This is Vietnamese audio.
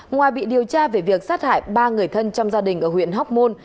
ngoài bị điều tra về việc sát hại ba người thân trong gia đình ở huyện hóc môn